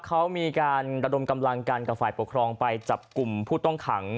เขามีการระดมกำลังกันกับฝ่ายปกครองไปจับกลุ่มผู้ต้องขัง